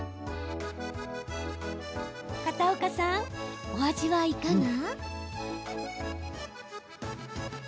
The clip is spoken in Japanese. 片岡さん、お味はいかが？